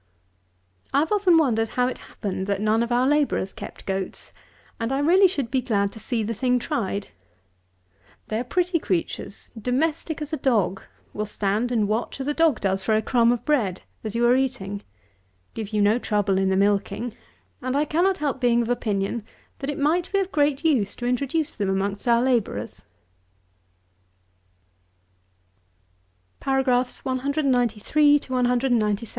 192. I have often wondered how it happened that none of our labourers kept goats; and I really should be glad to see the thing tried. They are pretty creatures, domestic as a dog, will stand and watch, as a dog does, for a crumb of bread, as you are eating; give you no trouble in the milking; and I cannot help being of opinion, that it might be of great use to introduce them amongst our labourers.